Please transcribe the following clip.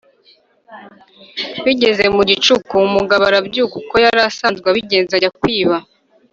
Bigeze mu gicuku umugabo arabyuka uko yari asanzwe abigenza ajya kwiba